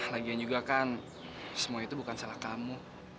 lagian juga kan semua itu bukan salah kamu